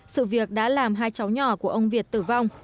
sự việc đã làm hai cháu nhỏ của ông việt tử vong